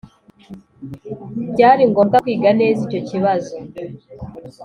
byari ngombwa kwiga neza icyo kibazo.